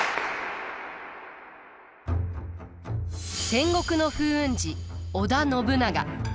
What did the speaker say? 戦国の風雲児織田信長。